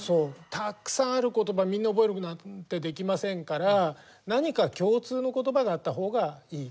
たくさんあることばみんな覚えるなんてできませんから何か共通のことばがあったほうがいい。